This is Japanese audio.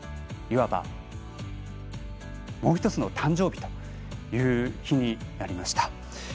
いわば、もう１つの誕生日という日になりました。